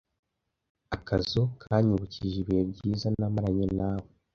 Akazu kanyibukije ibihe byiza namaranye na we.